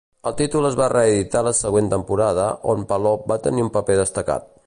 El títol es va reeditar la següent temporada on Palop va tenir un paper destacat.